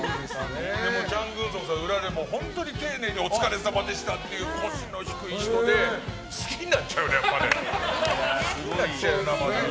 チャン・グンソクさん、裏でも本当に丁寧にお疲れさまでしたって腰の低い人で好きになっちゃうね。